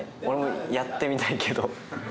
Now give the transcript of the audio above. やってみたいけど。